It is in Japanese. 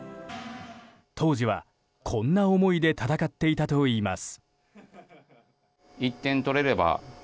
当時は、こんな思いで戦っていたといいます。